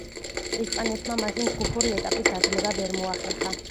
ესპანეთმა მაშინ ჯგუფური ეტაპის დაძლევა ვერ მოახერხა.